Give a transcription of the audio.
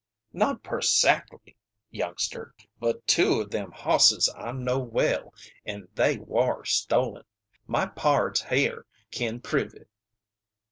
"Not persackly, youngster. But two o' them hosses I know well, an' they war stolen. My pards hyer kin prove it."